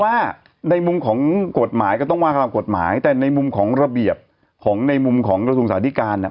ว่าในมุมของกฎหมายก็ต้องว่ากันตามกฎหมายแต่ในมุมของระเบียบของในมุมของกระทรวงสาธิการเนี่ย